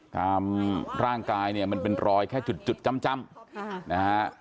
ตามร่างกายเนี่ยมันเป็นรอยแค่จุดจ้ำนะฮะ